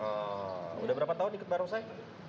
oh udah berapa tahun dikit barongsai